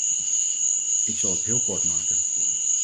Ik zal het heel kort maken.